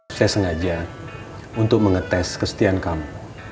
saya sengaja untuk mengetes kesetiaan kamu